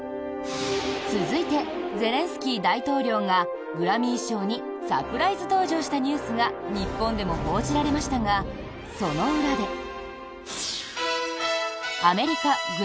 続いて、ゼレンスキー大統領がグラミー賞にサプライズ登場したニュースが日本でも報じられましたがその裏で。